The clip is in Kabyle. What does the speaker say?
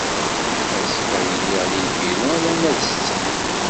Azekka ad iliɣ di lbiru alarma d setta.